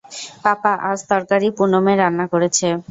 পাপা, আজ তরকারি পুনমে রান্না করেছে।